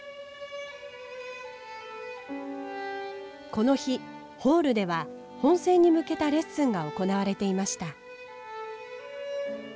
この日ホールでは本選に向けたレッスンが行われていました。